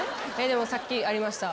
でもさっきありました。